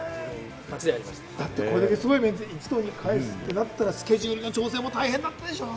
これだけすごいメンツで一堂に会すってなったら、スケジュール調整も大変だったでしょ？